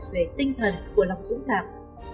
về tinh thần của lòng dũng cảm